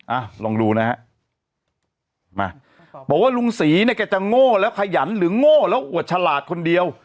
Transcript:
อ่ะลองดูนะฮะมาบอกว่าลุงศรีเนี่ยแกจะโง่แล้วขยันหรือโง่แล้วอวดฉลาดคนเดียว